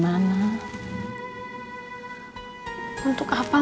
mungkin justru sobri